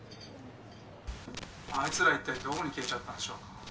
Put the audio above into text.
「あいつら一体どこに消えちゃったんでしょうか？」